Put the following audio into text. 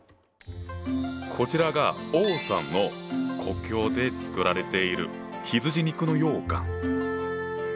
こちらが王さんの故郷で作られている羊肉の羊羹。